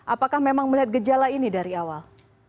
apakah memang melihat gejala ini dari awal